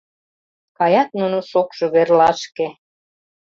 Каят нуно шокшо верлашке